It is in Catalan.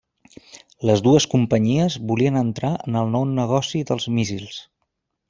Les dues companyies volien entrar en el nou negoci dels míssils.